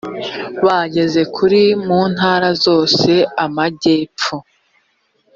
bagera kuri mu ntara zose amajyepfo